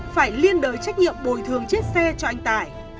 phải liên đời trách nhiệm bồi thường chiếc xe cho anh tài